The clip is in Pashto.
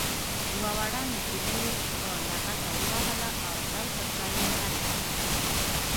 یوه وړه نجلۍ یې په لغته ووهله او ځای پر ځای یې مړه کړه.